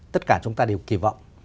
tất cả chúng ta đều kỳ vọng